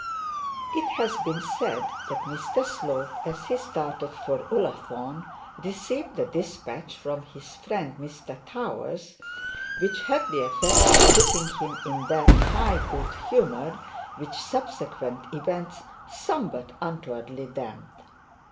It has been said that Mr Slope, as he started for Ullathorne, received a despatch from his friend Mr Towers, which had the effect of putting him in that high good humour which subsequent events somewhat untowardly damped.